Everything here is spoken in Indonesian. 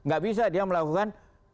gak bisa dia melakukan